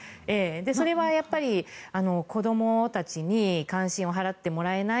それは子どもたちに関心を払ってもらえない。